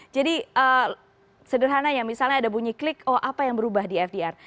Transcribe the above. jadi sederhananya misalnya ada bunyi klik oh apa yang berubah di fdr